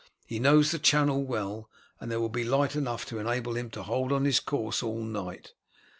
He knows the channel well, and there will be light enough to enable him to hold on his course all night.